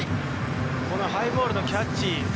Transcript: ハイボールのキャッチ。